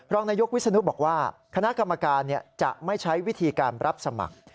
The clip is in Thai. รองนายกวิศนุบอกว่าคณะกรรมการจะไม่ใช้วิธีการรับสมัคร